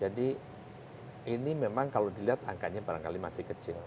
jadi ini memang kalau dilihat angkanya barangkali masih kecil